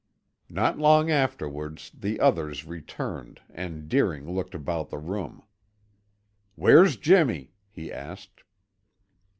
Not long afterwards the others returned and Deering looked about the room. "Where's Jimmy?" he asked.